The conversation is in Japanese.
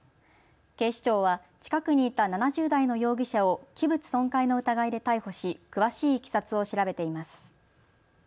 警視庁は近くにいた７０代の容疑者を器物損壊の疑いで逮捕し詳しいいきさつを調べています。